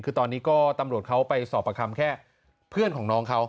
คือตอนนี้ก็ตำรวจเขาไปสอบประคำแค่เพื่อนของน้องเขา